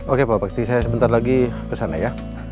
oke pak pasti saya sebentar lagi kesana ya